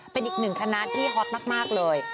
เป็นอีกหนึ่งคณะที่ฮอตมากเลย